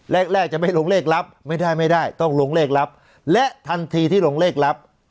แรกแรกจะไม่ลงเลขลับไม่ได้ไม่ได้ต้องลงเลขลับและทันทีที่ลงเลขลับ